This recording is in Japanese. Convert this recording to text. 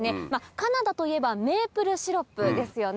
カナダといえばメープルシロップですよね。